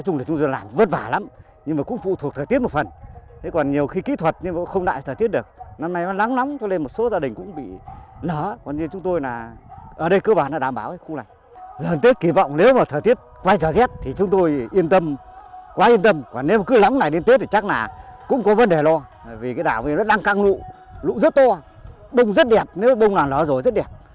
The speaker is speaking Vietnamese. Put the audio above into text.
nếu mà thời tiết quay trở rét thì chúng tôi yên tâm quá yên tâm còn nếu cứ lóng này đến tết thì chắc là cũng có vấn đề lo vì cái đào này nó đang căng lụ lụ rất to bông rất đẹp nếu bông là nó rồi rất đẹp